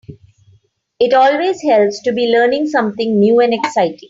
It always helps to be learning something new and exciting.